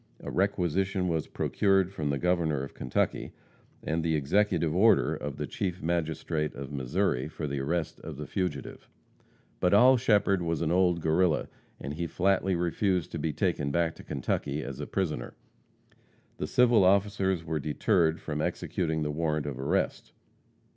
A requisition was procured from the Governor of Kentucky, and the executive order of the Chief Magistrate of Missouri, for the arrest of the fugitive. But Oll Shepherd was an old Guerrilla, and he flatly refused to be taken back to Kentucky as a prisoner. The civil officers were deterred from executing the warrant of arrest.